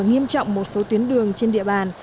nghiêm trọng một số tuyến đường trên địa bàn